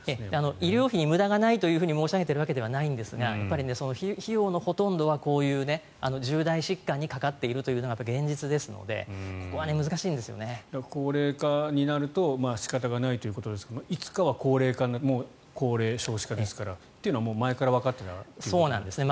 医療費に無駄がないと申し上げているわけではないですが費用のほとんどはこういう重大疾患にかかっているのが現実ですので高齢化になると仕方がないということですがいつかは高齢化もう少子高齢化ですから前からわかっているからということですね。